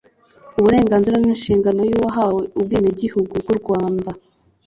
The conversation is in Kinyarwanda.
Uburenganzira n'inshingano by'uwahawe ubwenegihugu bw'u Rwanda